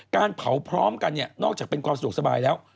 การเผาพร้อมกันเนี่ยนอกจากเป็นความสะดวกสบายแล้ว